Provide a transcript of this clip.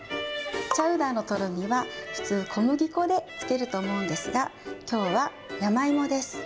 チャウダーのとろみは、普通、小麦粉でつけると思うんですが、きょうは山芋です。